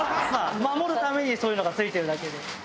守るためにそういうのが付いてるだけで。